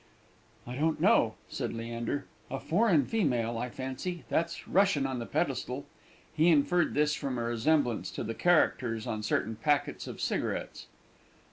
"I don't know," said Leander; "a foreign female, I fancy that's Russian on the pedestal." He inferred this from a resemblance to the characters on certain packets of cigarettes.